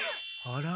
あら。